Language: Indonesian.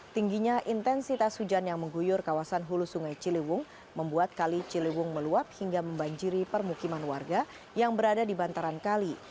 tingginya intensitas hujan yang mengguyur kawasan hulu sungai ciliwung membuat kali ciliwung meluap hingga membanjiri permukiman warga yang berada di bantaran kali